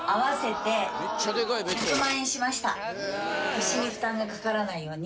腰に負担がかからないように。